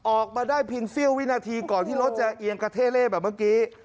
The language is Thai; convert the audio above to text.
ออกมาได้เพียงเสี้ยววินาทีก่อนที่รถจะเอียงกระเท่เล่แบบเมื่อกี้